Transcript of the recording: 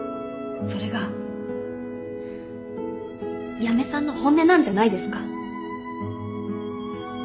それが八女さんの本音なんじゃないですか？